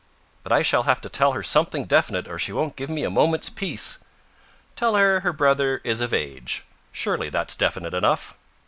"But I shall have to tell her something definite, or she won't give me a moment's peace." "Tell her her brother is of age. Surely that's definite enough?"